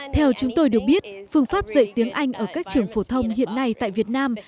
theo chúng tôi được biết phương pháp dạy tiếng anh ở các trường phổ thông hiện nay tại việt nam